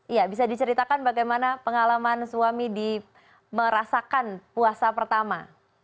iya bisa diceritakan bagaimana pengalaman suami di merasakan puasa pertama